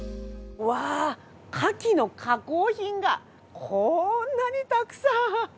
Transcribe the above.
うわあカキの加工品がこんなにたくさんあります！